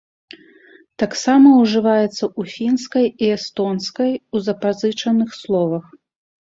Таксама ўжываецца ў фінскай і эстонскай у запазычаных словах.